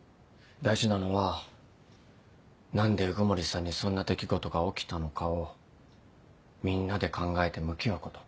大事なのは何で鵜久森さんにそんな出来事が起きたのかをみんなで考えて向き合うこと。